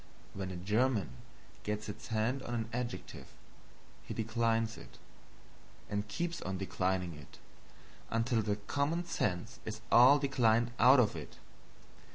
When a German gets his hands on an adjective, he declines it, and keeps on declining it until the common sense is all declined out of it.